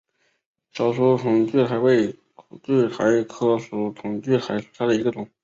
小粗筒苣苔为苦苣苔科粗筒苣苔属下的一个种。